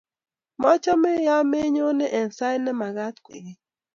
Machome ya menyoni eng' sait ne mekat kwekeny